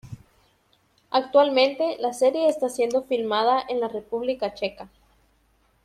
Actualmente la serie está siendo filmada en la República Checa.